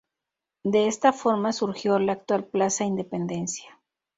De esta forma surgió la actual Plaza Independencia.